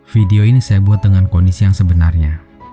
video ini saya buat dengan kondisi yang sebenarnya